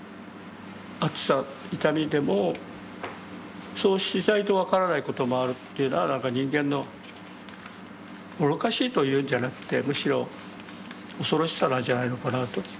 熱さ痛みでもそうしないと分からないこともあるというのはなんか人間の愚かしいというんじゃなくてむしろ恐ろしさなんじゃないのかなと思います。